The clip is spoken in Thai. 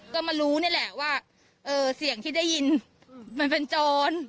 ก็มารู้นี่แหละว่าเสียงที่ได้ยินมันเป็นโจร